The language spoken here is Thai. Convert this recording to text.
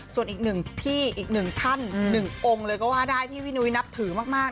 ส่วนอีกหนึ่งที่อีกหนึ่งท่านหนึ่งองค์เลยก็ว่าได้ที่พี่นุ้ยนับถือมาก